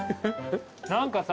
何かさ